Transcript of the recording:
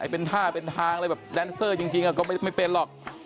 เป็นท่าเป็นทางอะไรแบบแดนเซอร์จริงก็ไม่เป็นหรอก